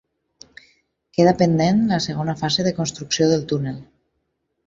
Queda pendent la segona fase de construcció del túnel.